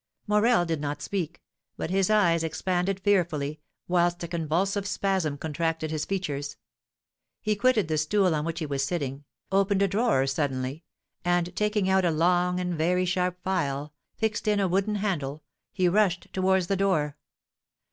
Morel did not speak, but his eyes expanded fearfully, whilst a convulsive spasm contracted his features. He quitted the stool on which he was sitting, opened a drawer suddenly, and, taking out a long and very sharp file, fixed in a wooden handle, he rushed towards the door.